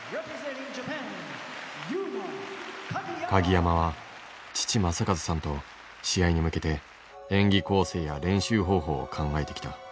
鍵山は父正和さんと試合に向けて演技構成や練習方法を考えてきた。